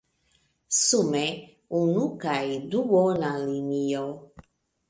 Sume: unu kaj duona linio.